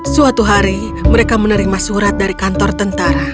suatu hari mereka menerima surat dari kantor tentara